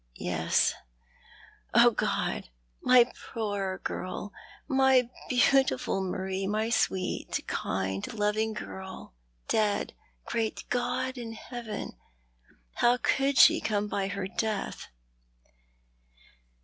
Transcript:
" Yes !"" God, my poor girl ! My beautiful Marie, my sweet, kind loving girl ! Dead ! Great God in heaven, how could she come by her death